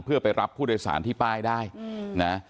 เพื่อไปรับผู้โดยสารที่ป้ายได้นะ